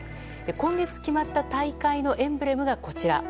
今月決まった大会のエンブレムがこちら。